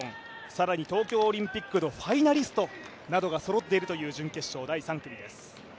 更に東京オリンピックのファイナリストなどがそろっているという準決勝、第３組です。